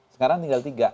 sekarang tinggal tiga